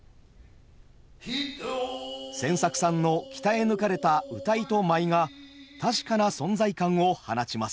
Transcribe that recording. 千作さんの鍛え抜かれた謡と舞が確かな存在感を放ちます。